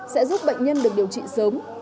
sẽ giúp bệnh nhân được điều trị sớm